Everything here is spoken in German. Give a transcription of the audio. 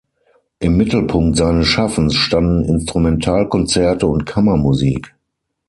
Im Mittelpunkt seines Schaffens standen Instrumentalkonzerte und Kammermusik.